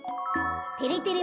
てれてれ